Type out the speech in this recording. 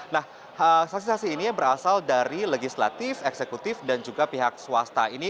nah saksi saksi ini yang berasal dari legislatif eksekutif dan juga pihak swasta ini